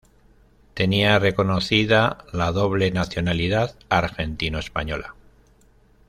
Tenía reconocida la doble nacionalidad argentino-española.